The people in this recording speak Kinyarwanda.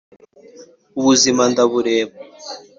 ubuzima ndabureba